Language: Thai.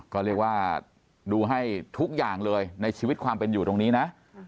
ก็เรียกว่าดูให้ทุกอย่างเลยในชีวิตความเป็นอยู่ตรงนี้นะ